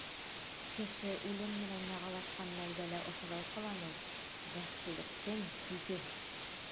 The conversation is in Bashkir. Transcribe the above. Кеше үлем менән яғалашҡан мәлдә лә ошолай ҡыланыу — вәхшилектең сиге!